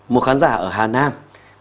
một khán giả ở hà nam